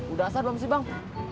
udah sar belum sih bang